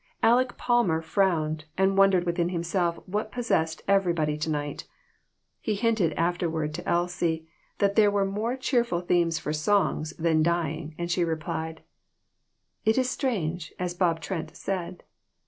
Aleck Palmer frowned, and wondered within himself what possessed every body to night. He hinted afterward to Elsie that there were more cheerful themes for songs than dying, and she replied " It is strange, as Bob Trent said.